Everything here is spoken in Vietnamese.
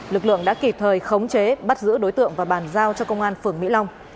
lực lượng đã kịp thời khống chế bắt giữ đối tượng và bàn giao cho công an phường mỹ long